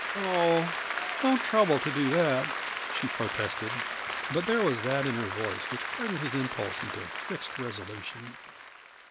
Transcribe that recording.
"Oh, don't trouble to do that," she protested; but there was that in her voice which hardened his impulse into fixed resolution.